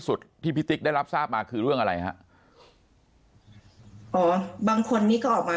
สุดที่พิษติกได้รับทราบมาคือเรื่องอะไรบางคนนี้ก็ออกมา